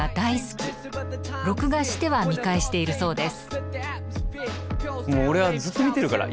録画しては見返しているそうです。